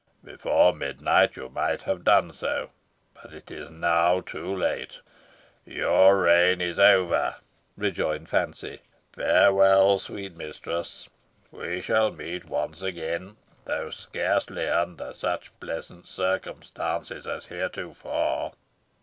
"Before midnight, you might have done so; but it is now too late your reign is over," rejoined Fancy. "Farewell, sweet mistress. We shall meet once again, though scarcely under such pleasant circumstances as heretofore."